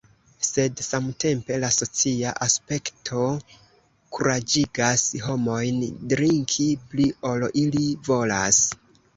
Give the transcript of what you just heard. Sed samtempe, la socia aspekto kuraĝigas homojn drinki pli ol ili volas.